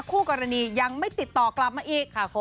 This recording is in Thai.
คู่กรณียังไม่ติดต่อกลับมาอีก